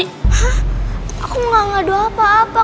hah aku gak ngadu apa apa